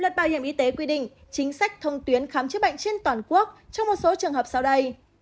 luật bảo hiểm y tế quy định chính sách thông tuyến khám chữa bệnh trên toàn quốc trong một số trường hợp sau đây